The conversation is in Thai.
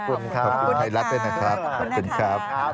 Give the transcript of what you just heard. ขอบคุณครับขอบคุณนะครับ